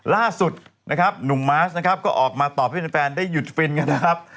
ล่าสุดนะครับหนุ่มมาสนะครับก็ออกมาตอบให้แฟนได้หยุดฟินกันนะครับ